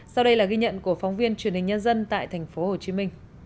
sau đây là ghi nhận của phóng viên truyền hình nhân dân tại tp hcm